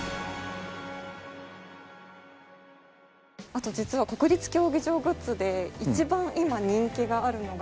あと実は国立競技場グッズで一番今人気があるのが。